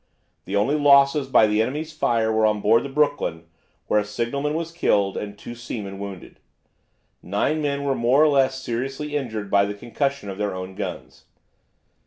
The only losses by the enemy's fire were on board the "Brooklyn," where a signalman was killed and two seamen wounded. Nine men were more or less seriously injured by the concussion of their own guns.